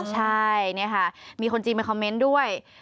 ใช่นี่ค่ะมีคนจีนไปคอมเมนต์ด้วย